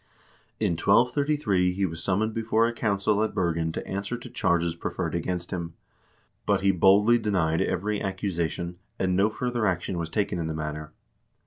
In 1233 he was summoned before a council at Bergen to answer to charges preferred against him, but he boldly denied every accusation, and no further action was taken in the matter.